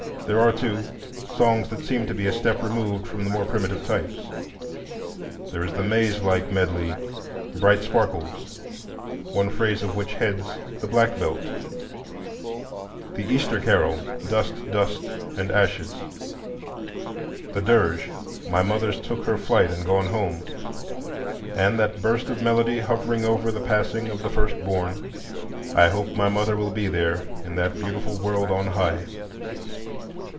There are, too, songs that seem to be a step removed from the more primitive types: there is the maze like medley, "Bright sparkles," one phrase of which heads "The Black Belt"; the Easter carol, "Dust, dust and ashes"; the dirge, "My mother's took her flight and gone home"; and that burst of melody hovering over "The Passing of the First Born"—"I hope my mother will be there in that beautiful world on high."